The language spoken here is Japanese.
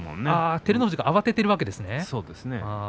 照ノ富士は慌てているわけですね。